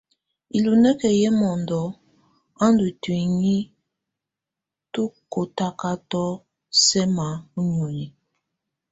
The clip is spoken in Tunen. Ilunǝki yɛ mɔndɔ a ndù ntuinyii tu kɔtakatɔ sɛma u nioni.